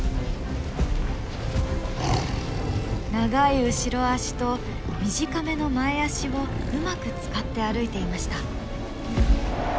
長い後ろ足と短めの前足をうまく使って歩いていました。